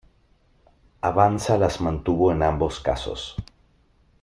Avanza las mantuvo en ambos casos.